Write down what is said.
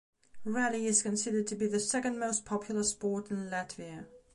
Rally is considered to be the second most popular sport in Latvia.